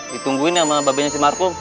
ditungguin sama babanya si markup